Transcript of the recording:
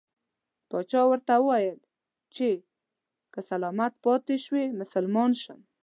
پاچا ورته وویل چې که سلامت پاته شوې مسلمان شم.